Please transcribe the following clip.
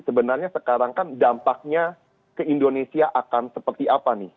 sebenarnya sekarang kan dampaknya ke indonesia akan seperti apa nih